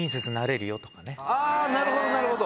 なるほどなるほど。